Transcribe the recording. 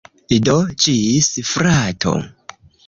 Do, ĝis frato!